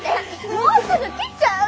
もうすぐ来ちゃう。